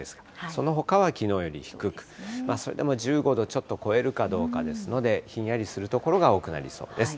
そのほかはきのうより低く、それでも１５度ちょっと超えるかどうかですので、ひんやりする所が多くなりそうです。